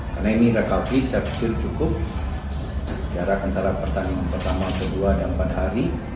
karena ini rekalti saya pikir cukup jarak antara pertandingan pertama kedua dan empat hari